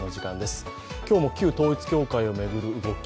今日も旧統一教会を巡る動き。